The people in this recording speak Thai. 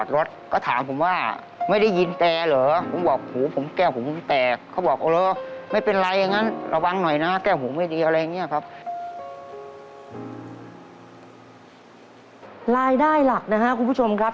รายได้หลักนะครับคุณผู้ชมครับ